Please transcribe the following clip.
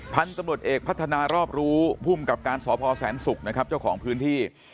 พันธุ์ตำรวจเอกพัฒนารอบรู้ภูมิกับการสพแสนศุกร์นะครับเจ้าของพื้นที่